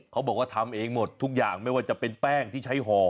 เขาบอกว่าทำเองหมดทุกอย่างไม่ว่าจะเป็นแป้งที่ใช้ห่อ